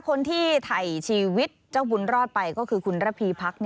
คนที่ถ่ายชีวิตเจ้าบุญรอดไปก็คือคุณระพีพัก